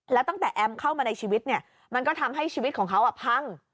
แล้วตั้งแต่แอมเข้ามาในชีวิตเนี่ยมันก็ทำให้ชีวิตของเขาพัง